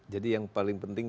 jadi yang paling penting